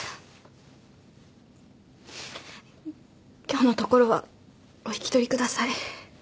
今日のところはお引き取りください。